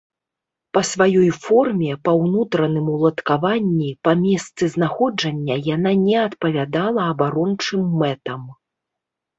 Па сваёй форме, па ўнутраным уладкаванні, па месцы знаходжання яна не адпавядала абарончым мэтам.